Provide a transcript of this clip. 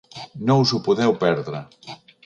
No us ho podeu perdre.